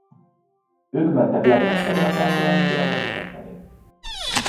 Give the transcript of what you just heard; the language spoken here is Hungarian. Ők mentek legmesszebbre a társadalmi követelések terén.